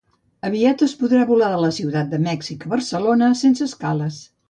Aviat es podrà volar de Ciutat de Mèxic a Barcelona sense escales